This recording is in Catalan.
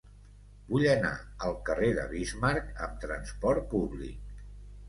Vull anar al carrer de Bismarck amb trasport públic.